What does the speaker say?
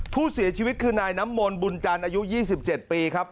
ผู้เสียชีวิตคือนายน้ำมนต์บุญจันทร์อายุ๒๗ปีครับ